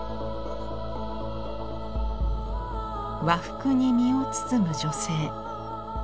和服に身を包む女性。